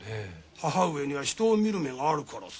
母上には人を見る目があるからさ。